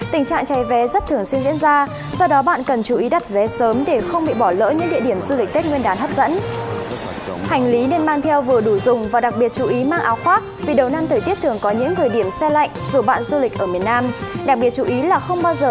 thị trường có những thời điểm xe lạnh dù bạn du lịch ở miền nam đặc biệt chú ý là không bao giờ